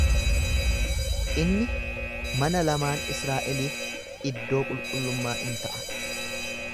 Inni mana lamaan Israa'eliif iddoo qulqullummaa in ta'a.